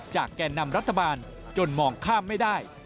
แก่นำรัฐบาลจนมองข้ามไม่ได้